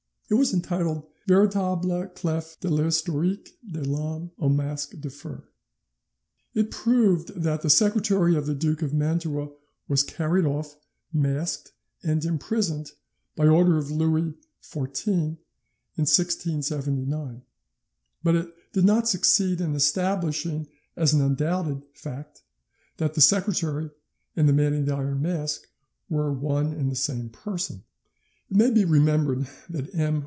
It was entitled 'Veritable Clef de l'Histoire de l'Homme au Masque de Fer'. It proved that the secretary of the Duke of Mantua was carried off, masked, and imprisoned, by order of Louis XIV in 1679, but it did not succeed in establishing as an undoubted fact that the secretary and the Man in the Iron Mask were one and the same person. It may be remembered that M.